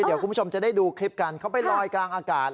เดี๋ยวคุณผู้ชมจะได้ดูคลิปกันเขาไปลอยกลางอากาศ